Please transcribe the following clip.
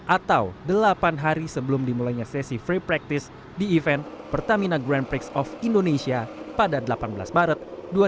atau delapan hari sebelum dimulainya sesi free practice di event pertamina grand prix of indonesia pada delapan belas maret dua ribu dua puluh